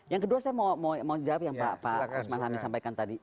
yang kedua saya mau jawab yang pak usman hami sampaikan tadi